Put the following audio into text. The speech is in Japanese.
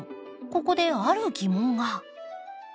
ここである疑問が。